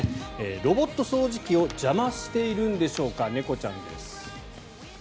ロボット掃除機を邪魔しているんでしょうか猫ちゃんです。